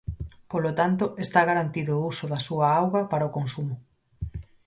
Polo tanto, está garantido o uso da súa auga para o consumo.